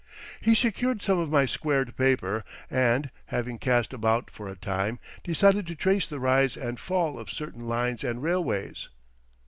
He secured some of my squared paper and, having cast about for a time, decided to trace the rise and fall of certain lines and railways.